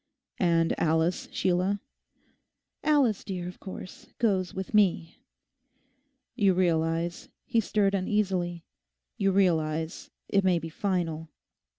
'And Alice, Sheila?' 'Alice, dear, of course goes with me.' 'You realise,' he stirred uneasily, 'you realise it may be final.